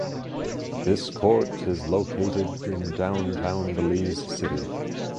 This court is located in downtown Belize City.